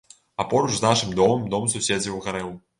А поруч з нашым домам дом суседзяў гарэў.